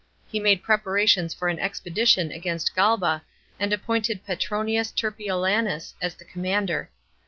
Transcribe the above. He made preparations for an expedition against Galba, and appointed Petronius Turpilianus as the commander.